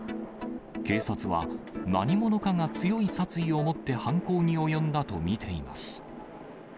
警察は、何者かが強い殺意を持って犯行に及んだと見ています。